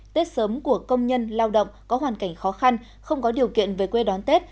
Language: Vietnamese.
tết sớm của công nhân lao động có hoàn cảnh khó khăn không có điều kiện về quê đón tết